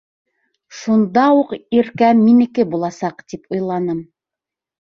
Шунда уҡ, Иркә минеке буласаҡ, тип уйланым.